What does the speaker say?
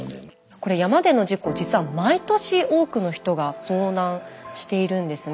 これ山での事故実は毎年多くの人が遭難しているんですね。